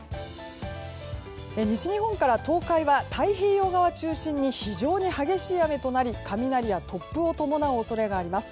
西日本から東海は太平洋側中心に非常に激しい雨となり雷や突風を伴う恐れがあります。